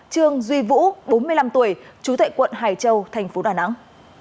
trương duy vũ bốn mươi năm tuổi chú thệ quận hải châu thành phố đà nẵng